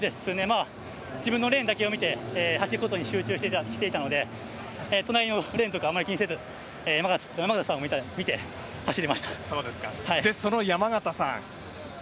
自分のレーンだけを見て走ることに集中していたので隣のレーンとかをあまり気にせず山縣さんを見てで、その山縣さん。